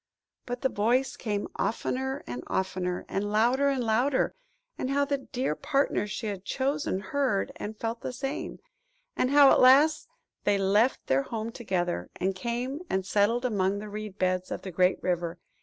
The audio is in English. But the voice came oftener and oftener, and louder and louder; and how the dear partner she had chosen heard and felt the same; and how at last they left their home together, and came and settled down among the reed beds of the great river.